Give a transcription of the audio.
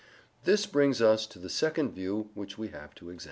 This brings us to the second view which we have to examine.